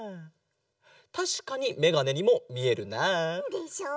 たしかにめがねにもみえるなあ。でしょう？